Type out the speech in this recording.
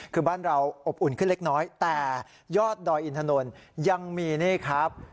คือบ้านเราอบอุ่นขึ้นเล็กน้อยแต่ยอดดอยอินถนนยังมีนี่ครับ